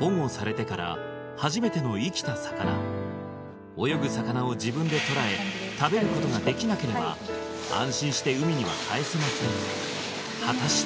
保護されてから初めての生きた魚泳ぐ魚を自分でとらえ食べることができなければ安心して海には帰せません果たして